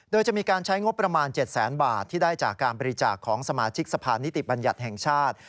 โดยจะมีการใช้งบประมาณ๗แสนบาทที่ได้จากการบริจาคของสมาชิกสะพานนิติบัญญัติแห่งชาติ